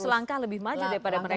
harus langkah lebih maju daripada mereka